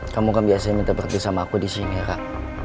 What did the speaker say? kamu kan biasanya minta berhenti sama aku disini rak